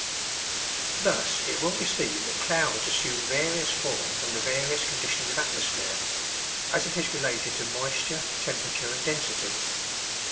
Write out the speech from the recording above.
Thus it will be seen that clouds assume various forms under various conditions of atmosphere, as it is related to moisture, temperature, and density.